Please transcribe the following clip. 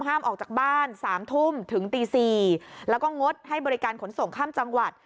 ห้ามออกจากบ้าน๓ทุ่มถึงตี๔แล้วก็งดให้บริการขนส่งข้ามจังหวัด